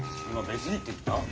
「別に」って言った？